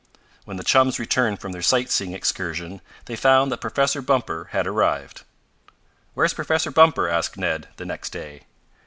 When the chums returned from their sightseeing excursion, they found that Professor Bumper had arrived. "Where's Professor Bumper?" asked Ned, the next day.